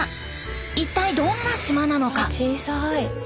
一体どんな島なのか？